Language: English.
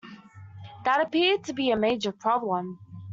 That appeared to be a major problem.